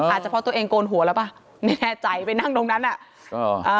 อาจจะเพราะตัวเองโกนหัวแล้วป่ะไม่แน่ใจไปนั่งตรงนั้นอ่ะอ่า